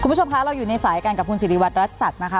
คุณผู้ชมคะเราอยู่ในสายกันกับคุณสิริวัตรรัฐสัตว์นะคะ